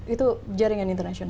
itu jaringan internasional